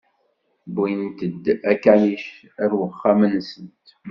Wwint-d akanic ar wexxam-nsent.